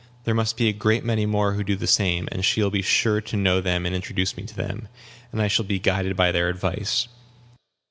There must be a great many more who do the same, and she will be sure to know them and introduce me to them; and I shall be guided by their advice."